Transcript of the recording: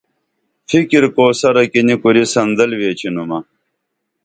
فِکر کوثرہ کی نی کُری صندل ویچینُمہ